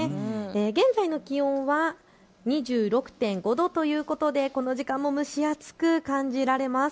現在の気温は２６．５度ということでこの時間も蒸し暑く感じられます。